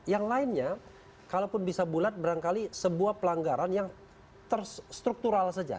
yang lainnya kalaupun bisa bulat berangkali sebuah pelanggaran yang terstruktural saja